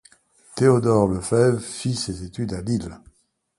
Théodore Lefebvre fit ses études à Lille.